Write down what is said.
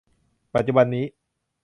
ปัจจุบันนี้